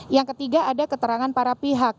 yang ketiga ada keterangan para pihak